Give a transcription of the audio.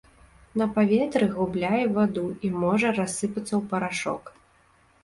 На паветры губляе ваду і можа рассыпацца ў парашок.